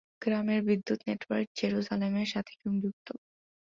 গ্রামের বিদ্যুৎ নেটওয়ার্ক জেরুজালেমের সাথে সংযুক্ত।